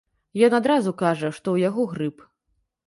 Ён адразу кажа, што ў яго грып.